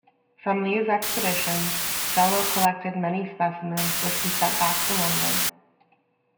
From these expeditions Sellow collected many specimens which he sent back to London.